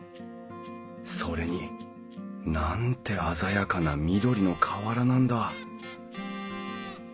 それになんて鮮やかな緑の瓦なんだ！